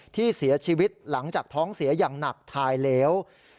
ที่เสียชีวิตหลังจากท้องเสียอย่างหนักถ่ายเหลว